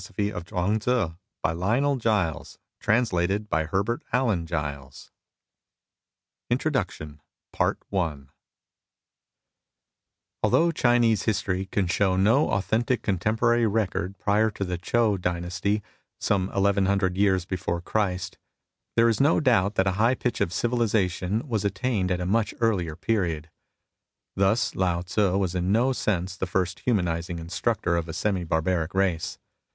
A. KAPADM. 4^ Habooubt BuiLDmas, Inneb Tbmpijb, Loin>oN« MUSINGS OF A CHINESE MYSTIC INTRODUCTION ALTHOUGH Chinese history can'^show no authentic contemporary record prior to the Chou dynasty, some eleven hundred years before Christ, there is no doubt that a high pitch of civili sation was attained at a much earlier period. Thus Lao Tzu was in no sense the first humanising instructor of a semi barbaric race.